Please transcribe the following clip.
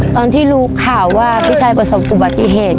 ตอนที่รู้ข่าวว่าพี่ชายประสบอุบัติเหตุ